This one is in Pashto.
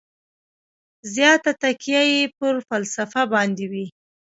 زیاته تکیه یې پر فلسفه باندې وي.